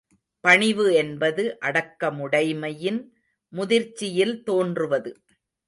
பணிவு என்பது அடக்கமுடைமையின் முதிர்ச்சியில் தோன்றுவது.